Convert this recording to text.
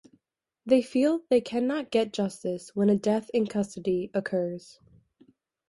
They feel they cannot get justice when a death in custody occurs.